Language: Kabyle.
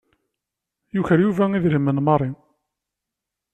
Yuker Yuba idrimen n Mary.